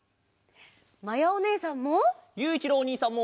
まやおねえさんも！